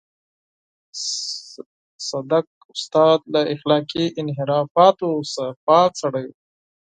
صدک استاد له اخلاقي انحرافاتو څخه پاک سړی و.